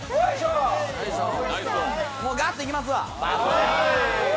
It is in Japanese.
ガッといきますわ。